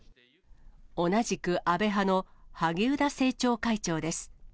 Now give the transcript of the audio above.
同じく安倍派の萩生田政調会長です。